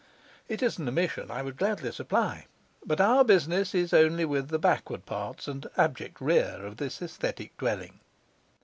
It is an omission I would gladly supply, but our business is only with the backward parts and 'abject rear' of this aesthetic dwelling.